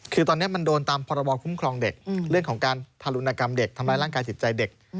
คือตอนนี้มันโดนตามพรบคุ้มครองเด็กเรื่องของการทารุณกรรมเด็กทำร้ายร่างกายจิตใจเด็ก